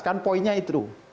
kan poinnya itu